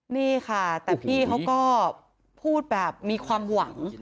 นี่ค่ะแต่พี่เขาก็พูดแบบมีความหวัง